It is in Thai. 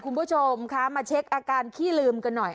คุณผู้ชมคะมาเช็คอาการขี้ลืมกันหน่อย